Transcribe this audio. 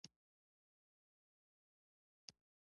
رومیان له چای سره نه خوري